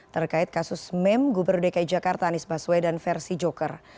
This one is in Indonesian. terkait kasus meme gubernur dki jakarta anies baswedan versi joker